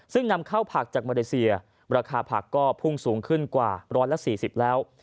ซึ่งนำเข้าผักจากมาเลเซียราคาผักก็พุ่งสูงขึ้นกว่า๑๔๐แล้ว